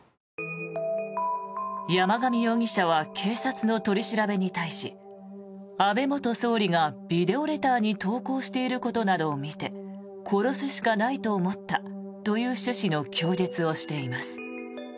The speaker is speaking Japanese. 山上容疑者は警察の取り調べに対し安倍元総理がビデオレターに投稿していることなどを見て殺すしかないと思ったという趣旨の供述をしています。